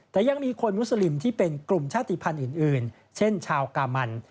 แต่ยังมีคนมุสลิมที่เป็นกลุ่มชาติภัณฑ์อื่นเช่นชาวกามัน